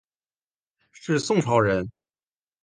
是宋朝人。